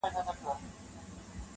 د فقیر لور په دربار کي ملکه سوه-